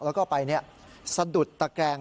แล้วก็ไปเนี่ยสะดุดตะแกรง